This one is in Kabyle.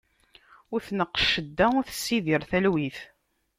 Ur tneqq cedda, ur tessidir telwit.